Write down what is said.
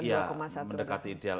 iya mendekati ideal